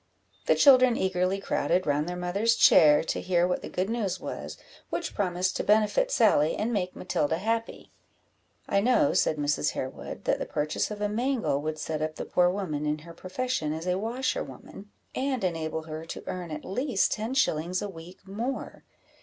The children eagerly crowded round their mother's chair, to hear what the good news was, which promised to benefit Sally, and make Matilda happy. "I know," said Mrs. Harewood, "that the purchase of a mangle would set up the poor woman in her profession as a washerwoman, and enable her to earn at least ten shillings a week more.